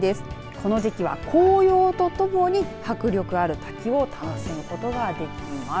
この時期は、紅葉とともに迫力ある滝を見ることができます。